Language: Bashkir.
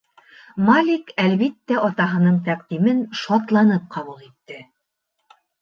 Малик, әлбиттә, атаһының тәҡдимен шатланып ҡабул итте.